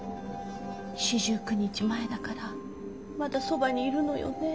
四十九日前だからまだそばにいるのよね？